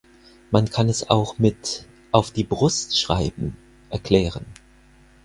Man kann es auch mit „Auf die Brust schreiben“ erklären.